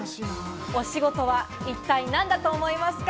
お仕事は一体何だと思いますか？